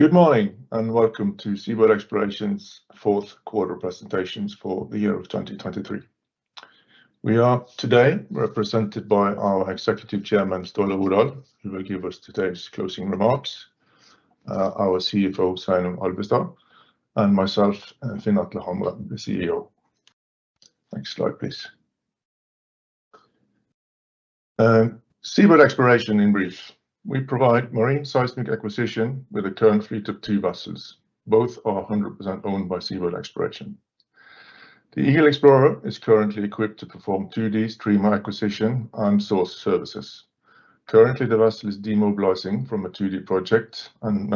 Good morning, and welcome to SeaBird Exploration's Q4 presentations for the year of 2023. We are today represented by our Executive Chairman, Ståle Rodahl, who will give us today's closing remarks, our CFO, Sveinung Alvestad, and myself, Finn Atle Hamre, the CEO. Next slide, please. SeaBird Exploration in brief. We provide marine seismic acquisition with a current fleet of two vessels. Both are 100% owned by SeaBird Exploration. The Eagle Explorer is currently equipped to perform 2D streamer acquisition and source services. Currently, the vessel is demobilizing from a 2D project and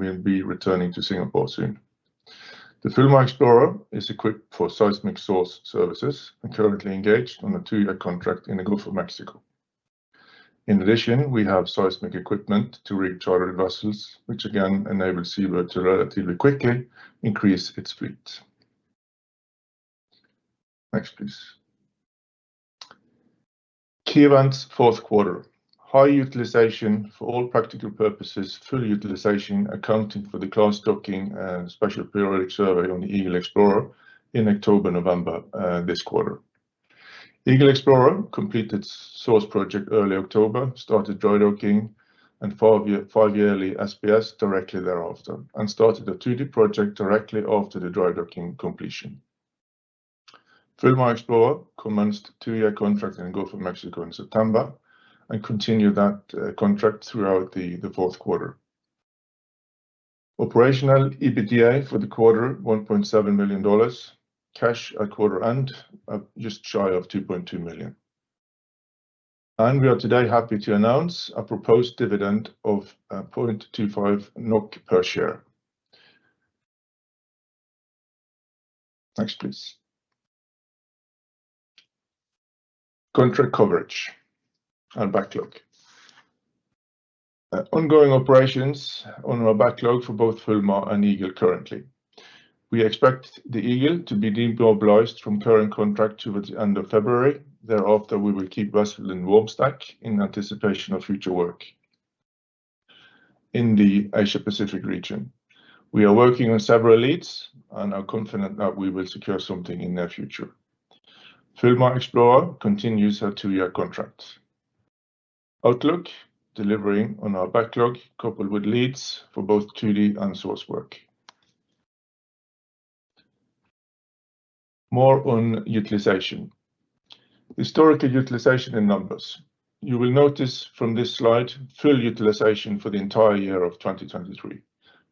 will be returning to Singapore soon. The Fulmar Explorer is equipped for seismic source services and currently engaged on a two-year contract in the Gulf of Mexico. In addition, we have seismic equipment to rig charter vessels, which again enable SeaBird to relatively quickly increase its fleet. Next, please. Key events, Q4. High utilization, for all practical purposes, full utilization, accounting for the class docking and special periodic survey on the Eagle Explorer in October, November, this quarter. Eagle Explorer completed source project early October, started dry docking and 5-year, 5-yearly SPS directly thereafter, and started a 3D project directly after the dry docking completion. Fulmar Explorer commenced 2-year contract in the Gulf of Mexico in September and continued that contract throughout the Q4. Operational EBITDA for the quarter, $1.7 million. Cash at quarter end, just shy of $2.2 million. And we are today happy to announce a proposed dividend of 0.25 NOK per share. Next, please. Contract coverage and backlog. Ongoing operations on our backlog for both Fulmar and Eagle currently. We expect the Eagle to be demobilized from current contract towards the end of February. Thereafter, we will keep vessel in warm stack in anticipation of future work in the Asia-Pacific region. We are working on several leads and are confident that we will secure something in the near future. Fulmar Explorer continues her two-year contract. Outlook, delivering on our backlog, coupled with leads for both 2D and source work. More on utilization. Historical utilization in numbers. You will notice from this slide, full utilization for the entire year of 2023,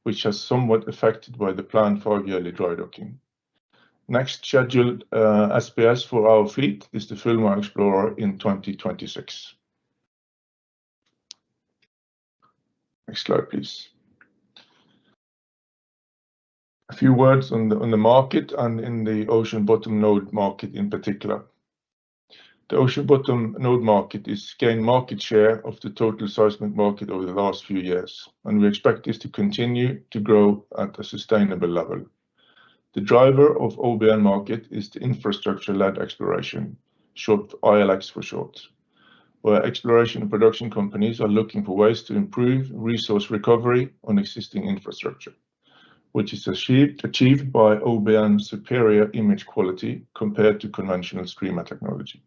which was somewhat affected by the planned five-yearly dry docking. Next scheduled SPS for our fleet is the Fulmar Explorer in 2026. Next slide, please. A few words on the market and in the Ocean Bottom Node market in particular. The ocean bottom node market is gained market share of the total seismic market over the last few years, and we expect this to continue to grow at a sustainable level. The driver of OBN market is the infrastructure-led exploration, short, ILX for short, where exploration and production companies are looking for ways to improve resource recovery on existing infrastructure, which is achieved by OBN's superior image quality compared to conventional streamer technology.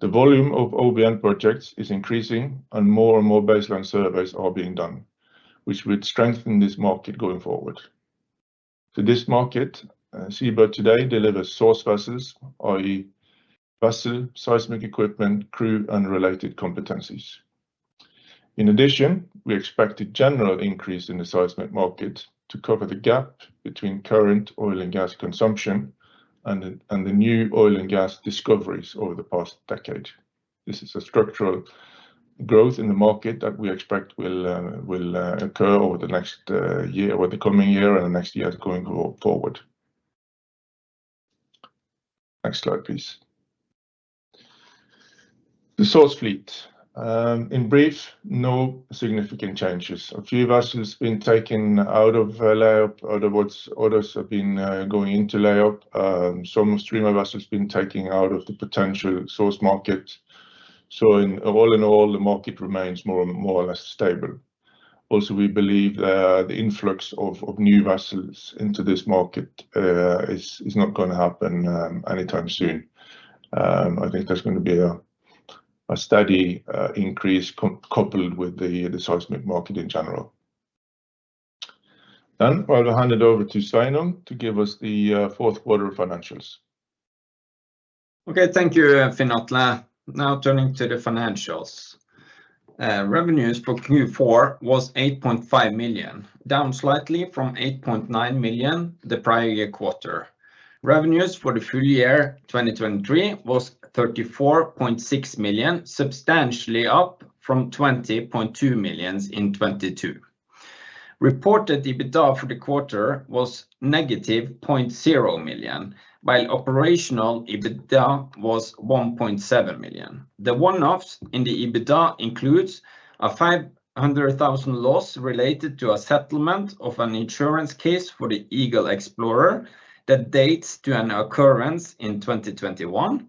The volume of OBN projects is increasing, and more and more baseline surveys are being done, which would strengthen this market going forward. To this market, SeaBird today delivers source vessels, i.e., vessel, seismic equipment, crew, and related competencies. In addition, we expect a general increase in the seismic market to cover the gap between current oil and gas consumption and the new oil and gas discoveries over the past decade. This is a structural growth in the market that we expect will occur over the next year, or the coming year and the next years going forward. Next slide, please. The source fleet. In brief, no significant changes. A few vessels been taken out of layout. In other words, others have been going into layout. Some streamer vessels been taken out of the potential source market. So all in all, the market remains more or less stable. Also, we believe that the influx of new vessels into this market is not gonna happen anytime soon. I think there's gonna be a steady increase coupled with the seismic market in general. Then I'll hand it over to Sveinung to give us the Q4 financials. Okay, thank you, Finn Atle. Now turning to the financials. Revenues for Q4 was $8.5 million, down slightly from $8.9 million the prior year quarter. Revenues for the full year 2023 was $34.6 million, substantially up from $20.2 million in 2022. Reported EBITDA for the quarter was - $0.0 million, while operational EBITDA was $1.7 million. The one-offs in the EBITDA includes a $500,000 loss related to a settlement of an insurance case for the Eagle Explorer that dates to an occurrence in 2021.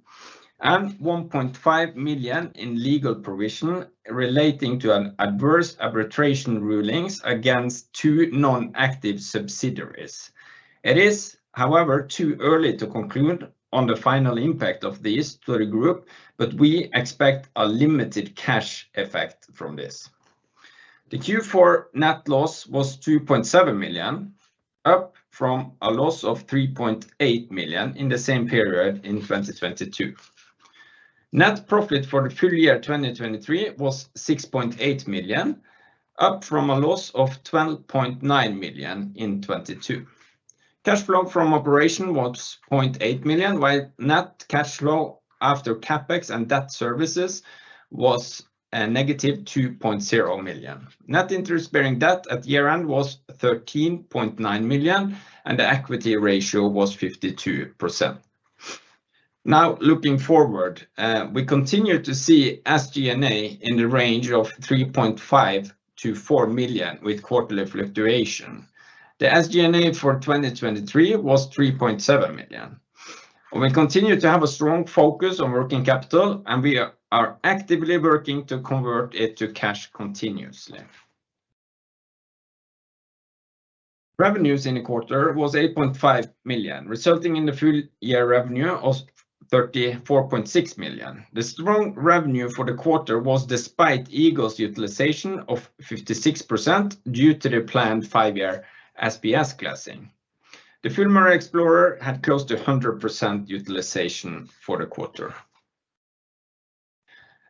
$1.5 million in legal provision relating to an adverse arbitration rulings against two non-active subsidiaries. It is, however, too early to conclude on the final impact of this to the group, but we expect a limited cash effect from this. The Q4 net loss was $2.7 million, up from a loss of $3.8 million in the same period in 2022. Net profit for the full year 2023 was $6.8 million, up from a loss of $12.9 million in 2022. Cash flow from operation was $0.8 million, while net cash flow after CapEx and debt services was negative $2.0 million. Net interest-bearing debt at year-end was $13.9 million, and the equity ratio was 52%. Now, looking forward, we continue to see SG&A in the range of $3.5 million to $4 million with quarterly fluctuation. The SG&A for 2023 was $3.7 million. We continue to have a strong focus on working capital, and we are actively working to convert it to cash continuously. Revenues in the quarter was $8.5 million, resulting in the full year revenue of $34.6 million. The strong revenue for the quarter was despite Eagle Explorer's utilization of 56% due to the planned five-year SPS classing. The Fulmar Explorer had close to 100% utilization for the quarter.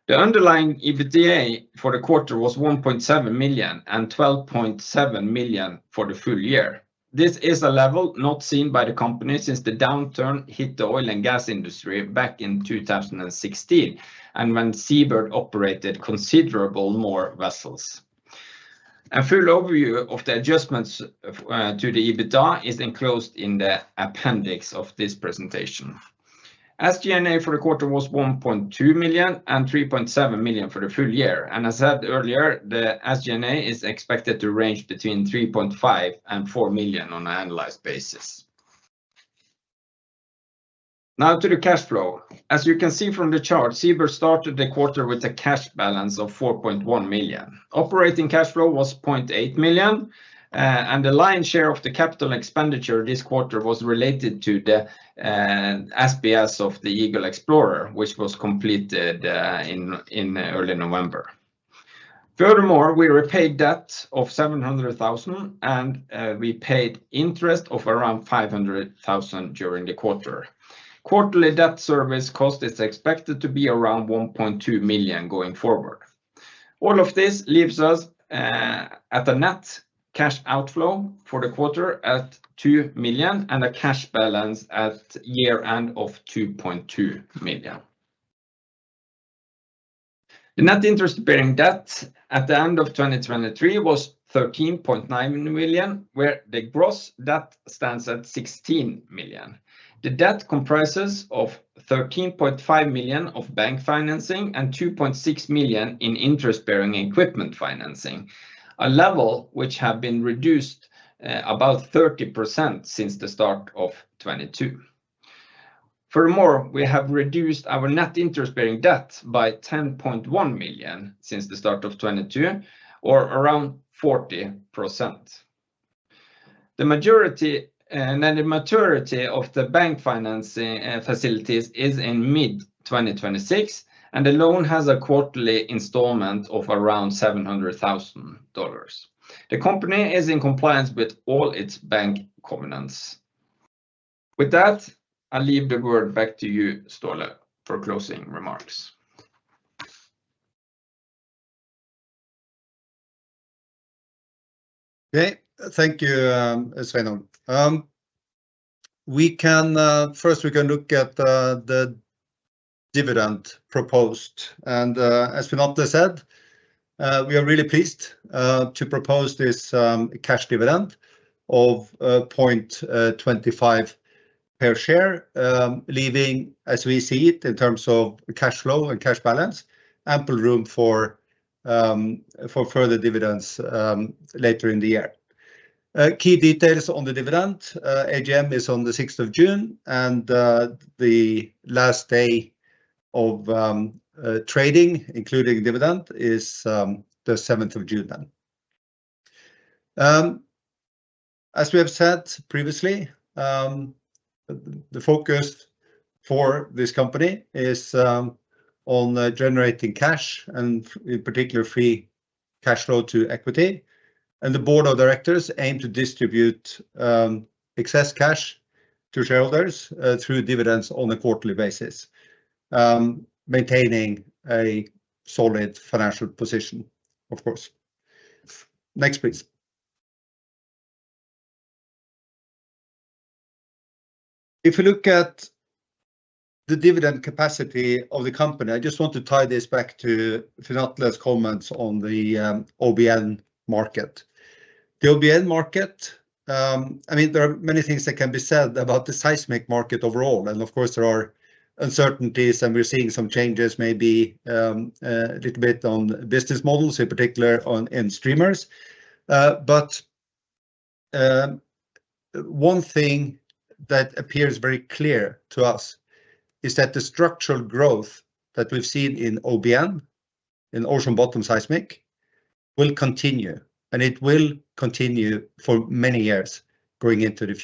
The underlying EBITDA for the quarter was $1.7 million and $12.7 million for the full year. This is a level not seen by the company since the downturn hit the oil and gas industry back in 2016, and when SeaBird operated considerable more vessels. A full overview of the adjustments to the EBITDA is enclosed in the appendix of this presentation. SG&A for the quarter was $1.2 million and $3.7 million for the full year, and as I said earlier, the SG&A is expected to range between $3.5 million and $4 million on an annualized basis. Now to the cash flow. As you can see from the chart, SeaBird started the quarter with a cash balance of $4.1 million. Operating cash flow was $0.8 million, and the lion's share of the capital expenditure this quarter was related to the SPS of the Eagle Explorer, which was completed in early November. Furthermore, we repaid debt of $700,000, and we paid interest of around $500,000 during the quarter. Quarterly debt service cost is expected to be around $1.2 million going forward. All of this leaves us at a net cash outflow for the quarter at $2 million and a cash balance at year-end of $2.2 million. The net interest bearing debt at the end of 2023 was $13.9 million, where the gross debt stands at $16 million. The debt comprises of $13.5 million of bank financing and $2.6 million in interest-bearing equipment financing, a level which have been reduced about 30% since the start of 2022. Furthermore, we have reduced our net interest-bearing debt by $10.1 million since the start of 2022, or around 40%. The majority, and then the maturity of the bank financing facilities is in mid-2026, and the loan has a quarterly installment of around $700,000. The company is in compliance with all its bank covenants. With that, I leave the word back to you, Ståle, for closing remarks. Okay, thank you, Sveinung. We can first look at the dividend proposed, and as Sveinung said, we are really pleased to propose this cash dividend of $0.25 per share. Leaving, as we see it, in terms of cash flow and cash balance, ample room for further dividends later in the year. Key details on the dividend, AGM is on the 6th of June, and the last day of trading, including dividend, is the 7th of June then. As we have said previously, the focus for this company is on generating cash and in particular, free cash flow to equity. The board of directors aim to distribute excess cash to shareholders through dividends on a quarterly basis, maintaining a solid financial position, of course. Next, please. If you look at the dividend capacity of the company, I just want to tie this back to Sveinung comments on the OBN market. The OBN market, I mean, there are many things that can be said about the seismic market overall, and of course, there are uncertainties, and we're seeing some changes, maybe a little bit on business models, in particular on 2D streamers. One thing that appears very clear to us is that the structural growth that we've seen in OBN, in ocean-bottom seismic, will continue, and it will continue for many years going into the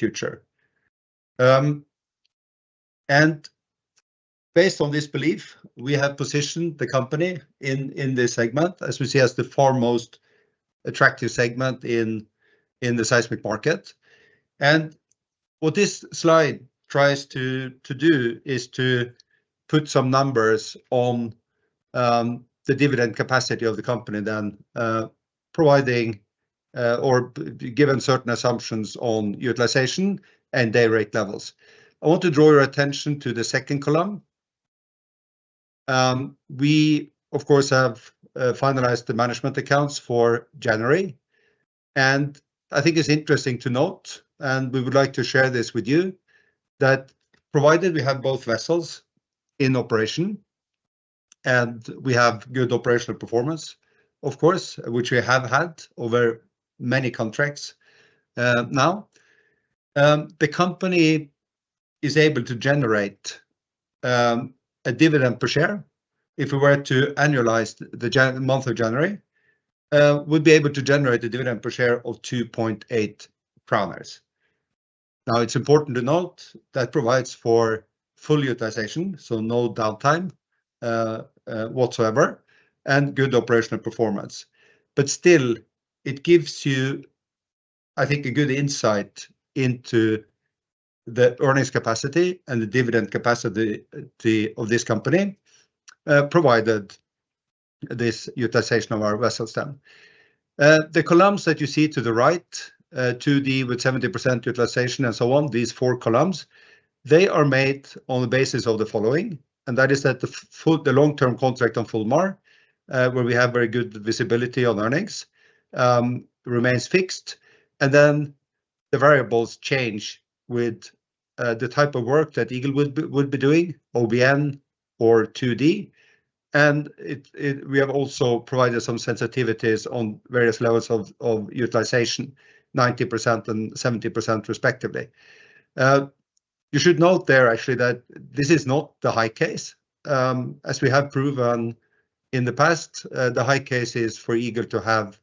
future. Based on this belief, we have positioned the company in this segment, as we see as the foremost attractive segment in the seismic market. What this slide tries to do is to put some numbers on the dividend capacity of the company, then providing or given certain assumptions on utilization and day rate levels. I want to draw your attention to the second column. We of course have finalized the management accounts for January. I think it's interesting to note, and we would like to share this with you, that provided we have both vessels in operation, and we have good operational performance, of course, which we have had over many contracts, now. The company is able to generate a dividend per share. If we were to annualize the month of January, we'd be able to generate a dividend per share of 2.8 NOK. Now, it's important to note that provides for full utilization, so no downtime whatsoever, and good operational performance. But still, it gives you, I think, a good insight into the earnings capacity and the dividend capacity of this company, provided this utilization of our vessels then. The columns that you see to the right, with 70% utilization, and so on, these four columns, they are made on the basis of the following, and that is that for the long-term contract on Fulmar, where we have very good visibility on earnings, remains fixed, and then the variables change with the type of work that Eagle would be, would be doing, OBN or 2D. We have also provided some sensitivities on various levels of utilization, 90% and 70%, respectively. You should note there actually that this is not the high case. As we have proven in the past, the high case is for Eagle to have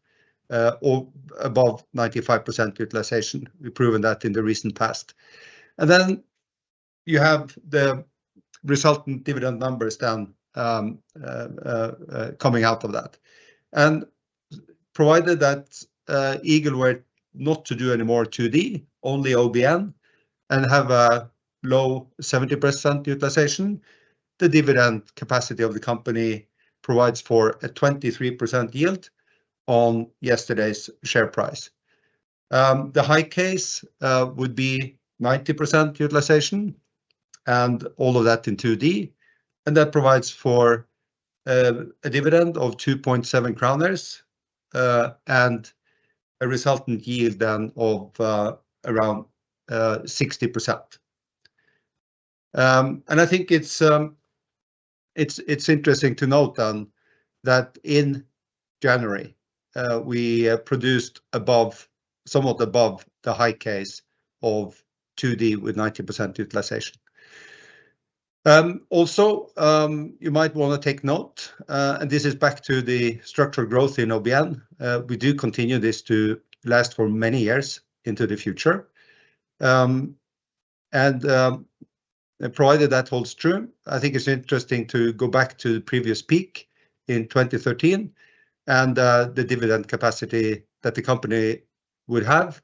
all above 95% utilization. We've proven that in the recent past. And then you have the resultant dividend numbers down coming out of that. And provided that Eagle were not to do any more 2D, only OBN, and have a low 70% utilization, the dividend capacity of the company provides for a 23% yield on yesterday's share price. The high case would be 90% utilization, and all of that in 2D, and that provides for a dividend of 2.7 NOK, and a resultant yield then of around 60%. I think it's interesting to note then that in January we produced above, somewhat above the high case of 2D with 90% utilization. Also, you might want to take note, and this is back to the structural growth in OBN. We do continue this to last for many years into the future. Provided that holds true, I think it's interesting to go back to the previous peak in 2013 and the dividend capacity that the company would have,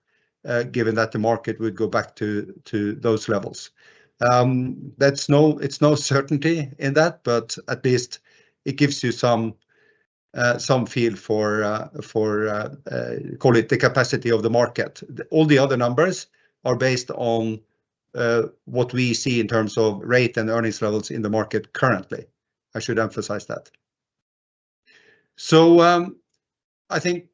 given that the market would go back to those levels. That's no, it's no certainty in that, but at least it gives you some feel for call it the capacity of the market. All the other numbers are based on what we see in terms of rate and earnings levels in the market currently. I should emphasize that. So, I think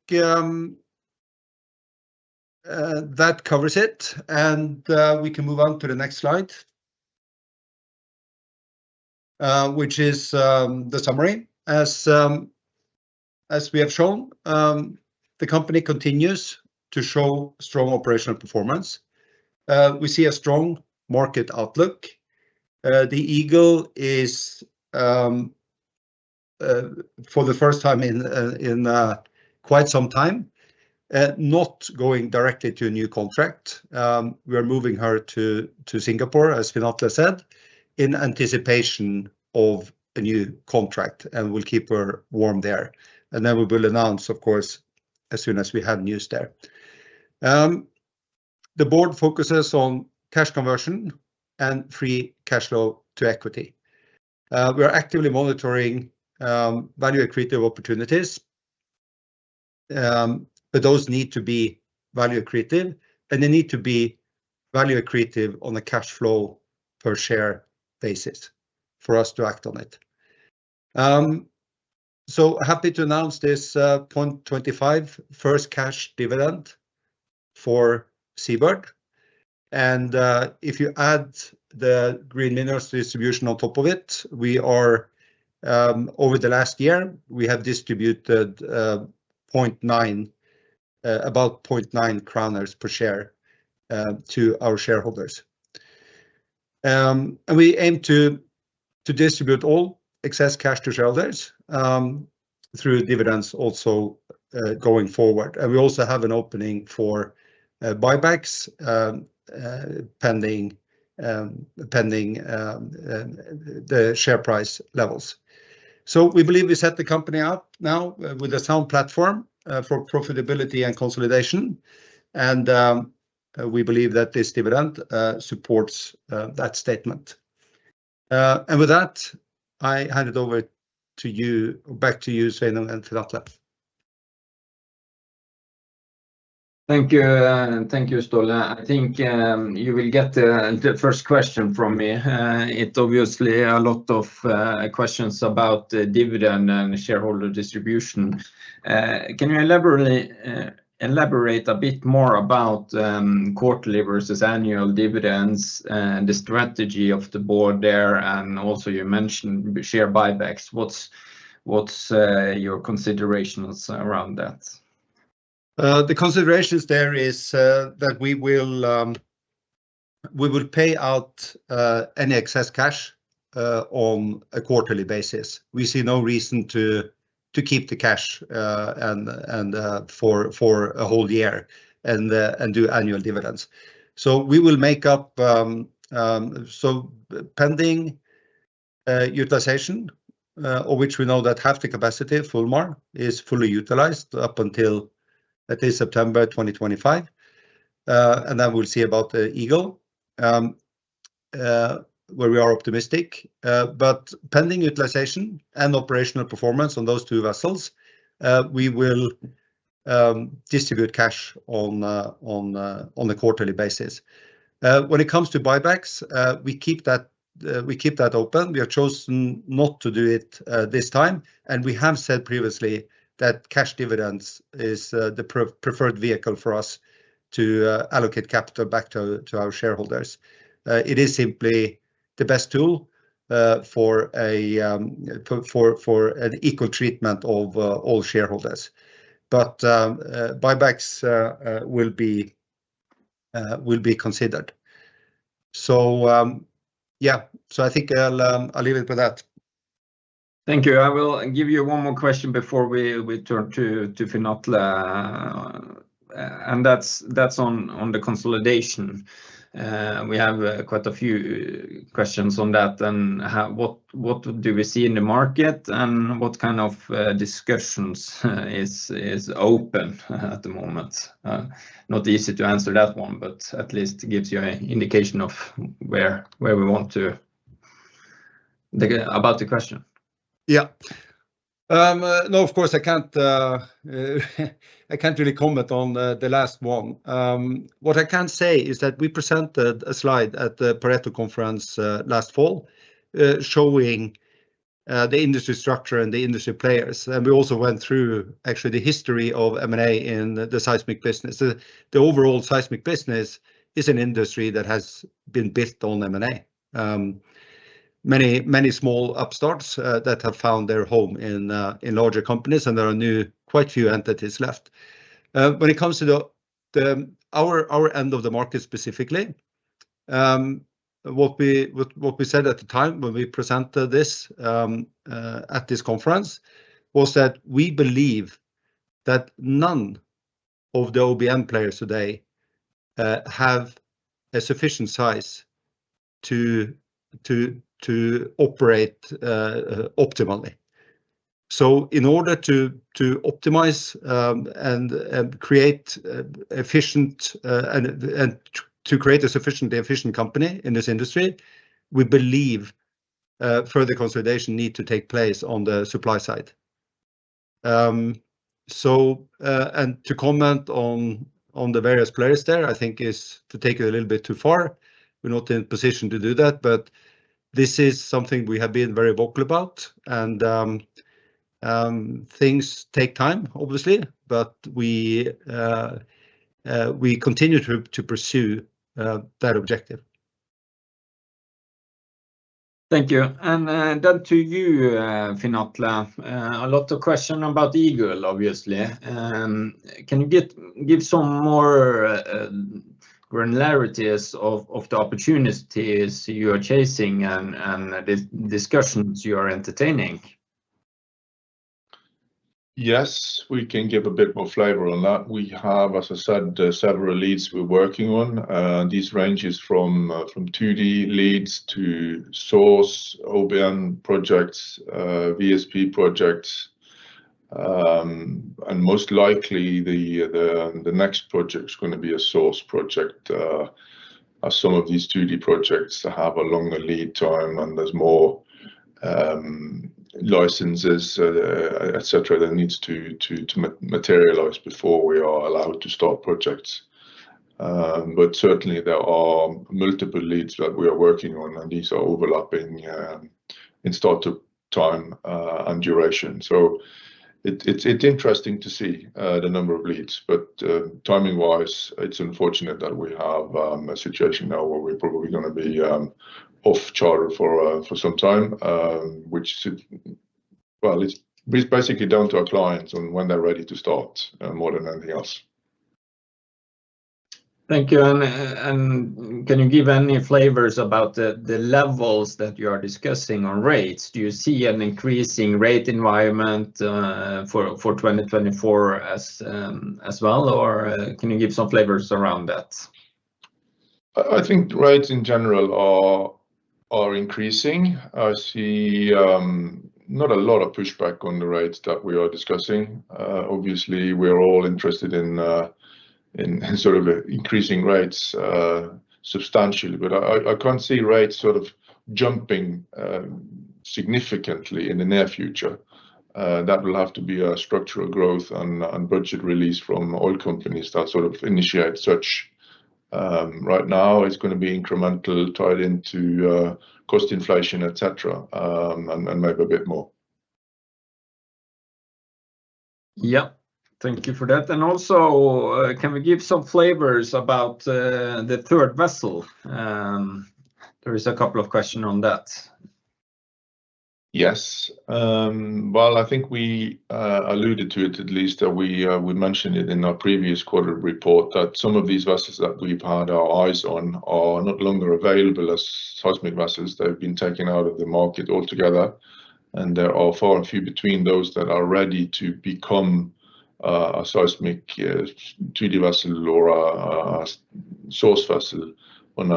that covers it, and we can move on to the next slide, which is the summary as we have shown. The company continues to show strong operational performance. We see a strong market outlook. The Eagle is for the first time in quite some time not going directly to a new contract. We are moving her to, to Singapore, as Finn Atle said, in anticipation of a new contract, and we'll keep her warm there. Then we will announce, of course, as soon as we have news there. The board focuses on cash conversion and free cash flow to equity. We are actively monitoring value-accretive opportunities, but those need to be value creative, and they need to be value accretive on a cash flow per share basis for us to act on it. So happy to announce this 0.25 first cash dividend for SeaBird. And, if you add the Green Minerals distribution on top of it, we are, over the last year, we have distributed point nine, about 0.9 per share, to our shareholders. We aim to distribute all excess cash to shareholders through dividends also, going forward. We also have an opening for buybacks, pending the share price levels. We believe we set the company up now with a sound platform for profitability and consolidation, and we believe that this dividend supports that statement. With that, I hand it over to you, back to you, Sveinung and to Finn Atle. Thank you, and thank you, Ståle. I think, you will get the, the first question from me. It obviously a lot of, questions about the dividend and shareholder distribution. Can you elaborate, elaborate a bit more about, quarterly versus annual dividends and the strategy of the board there? And also you mentioned share buybacks. What's, what's, your considerations around that? The considerations there is that we will pay out any excess cash on a quarterly basis. We see no reason to keep the cash and for a whole year and do annual dividends. So, pending utilization for which we know that half the capacity of Fulmar is fully utilized up until at least September 2025. And then we'll see about the Eagle where we are optimistic. But pending utilization and operational performance on those two vessels, we will distribute cash on a quarterly basis. When it comes to buybacks, we keep that open. We have chosen not to do it this time, and we have said previously that cash dividends is the preferred vehicle for us to allocate capital back to our shareholders. It is simply the best tool for an equal treatment of all shareholders. But buybacks will be considered. So, yeah. So I think I'll leave it with that. Thank you. I will give you one more question before we turn to Finn Atle, and that's on the consolidation. We have quite a few questions on that, and what do we see in the market, and what kind of discussions is open at the moment? Not easy to answer that one, but at least gives you an indication of where we want to get about the question. Yeah. No, of course I can't, I can't really comment on the, the last one. What I can say is that we presented a slide at the Pareto conference, last fall, showing the industry structure and the industry players, and we also went through actually the history of M&A in the seismic business. The, the overall seismic business is an industry that has been built on M&A. Many, many small upstarts that have found their home in, in larger companies, and there are new, quite few entities left. When it comes to our end of the market specifically, what we said at the time when we presented this at this conference was that we believe that none of the OBN players today have a sufficient size to operate optimally. So in order to optimize and create efficient and to create a sufficiently efficient company in this industry, we believe further consolidation need to take place on the supply side. So, and to comment on the various players there, I think is to take it a little bit too far. We're not in a position to do that, but this is something we have been very vocal about, and things take time, obviously, but we continue to pursue that objective. Thank you. And, then to you, Finn Atle, a lot of question about Eagle, obviously. Can you give some more granularities of the opportunities you are chasing and the discussions you are entertaining? Yes, we can give a bit more flavor on that. We have, as I said, several leads we're working on. These range from 2D leads to source OBN projects, VSP projects, and most likely the next project is gonna be a source project. As some of these 2D projects have a longer lead time, and there's more licenses, et cetera, that needs to materialize before we are allowed to start projects. But certainly there are multiple leads that we are working on, and these are overlapping and start up time and duration. So it's interesting to see the number of leads, but timing-wise, it's unfortunate that we have a situation now where we're probably gonna be off charter for some time. It's basically down to our clients and when they're ready to start, more than anything else. Thank you. And can you give any flavors about the levels that you are discussing on rates? Do you see an increasing rate environment for 2024 as well, or can you give some flavors around that? I think rates in general are increasing. I see not a lot of pushback on the rates that we are discussing. Obviously, we're all interested in sort of increasing rates substantially, but I can't see rates sort of jumping significantly in the near future. That will have to be a structural growth and budget release from oil companies that sort of initiate such. Right now, it's gonna be incremental, tied into cost inflation, et cetera, and maybe a bit more. Yeah. Thank you for that. And also, can we give some flavors about the third vessel? There is a couple of question on that. Yes. Well, I think we alluded to it, at least, that we mentioned it in our previous quarter report, that some of these vessels that we've had our eyes on are no longer available as seismic vessels. They've been taken out of the market altogether, and there are far and few between those that are ready to become a seismic 3D vessel or a source vessel on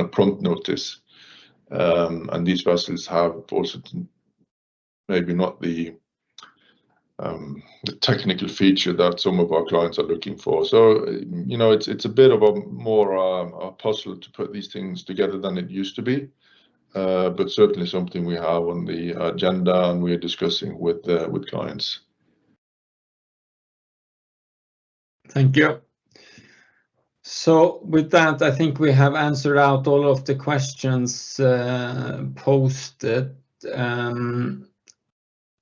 a prompt notice. And these vessels have also maybe not the technical feature that some of our clients are looking for. So, you know, it's a bit of a more puzzle to put these things together than it used to be. But certainly something we have on the agenda, and we're discussing with clients. Thank you. So with that, I think we have answered out all of the questions posted.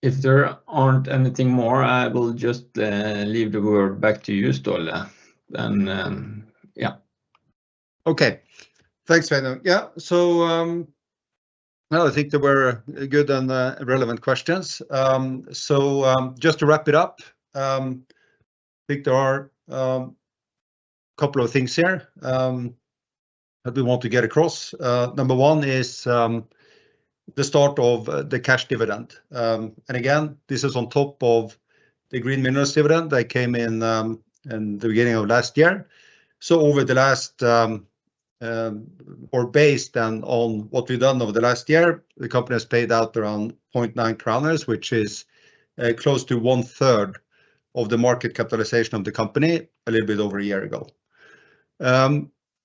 If there aren't anything more, I will just leave the word back to you, Ståle, then, yeah. Okay. Thanks, Sveinung. Yeah, so, well, I think they were good and relevant questions. So, just to wrap it up, I think there are a couple of things here that we want to get across. Number one is the start of the cash dividend. And again, this is on top of the green minerals dividend that came in in the beginning of last year. So over the last, or based on, on what we've done over the last year, the company has paid out around 0.9 kroner, which is close to one third of the market capitalization of the company a little bit over a year ago.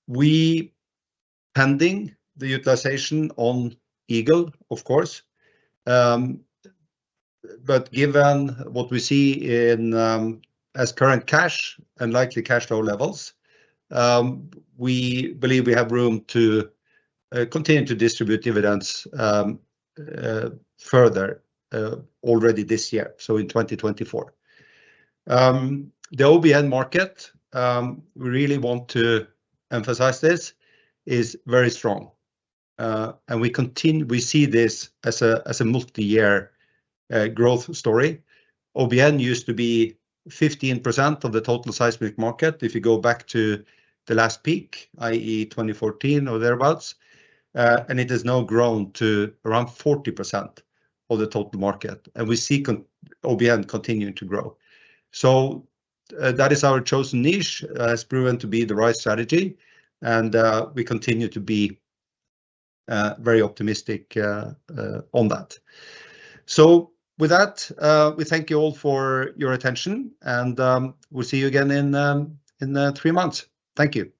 We're pending the utilization on Eagle, of course, but given what we see in as current cash and likely cash flow levels, we believe we have room to continue to distribute dividends further already this year, so in 2024. The OBN market, we really want to emphasize this, is very strong. And we see this as a multi-year growth story. OBN used to be 15% of the total seismic market, if you go back to the last peak, i.e., 2014 or thereabouts, and it has now grown to around 40% of the total market, and we see OBN continuing to grow. So, that is our chosen niche. It's proven to be the right strategy, and we continue to be very optimistic on that. So with that, we thank you all for your attention, and we'll see you again in three months. Thank you.